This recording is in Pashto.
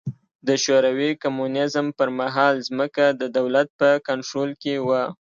د شوروي کمونېزم پر مهال ځمکه د دولت په کنټرول کې وه.